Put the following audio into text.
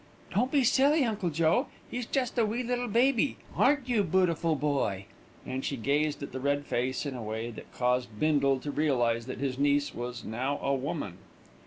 "Don't be silly, Uncle Joe, he's just a wee little baby, aren't you, bootiful boy?" and she gazed at the red face in a way that caused Bindle to realise that his niece was now a woman.